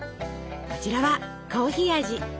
こちらはコーヒー味。